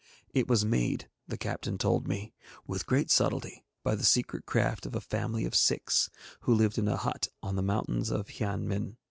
It was made, the captain told me, with great subtlety by the secret craft of a family of six who lived in a hut on the mountains of Hian Min.